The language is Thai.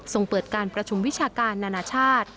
เปิดการประชุมวิชาการนานาชาติ